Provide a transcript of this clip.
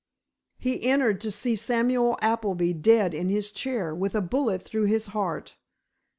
He entered to see Samuel Appleby dead in his chair, with a bullet through his heart.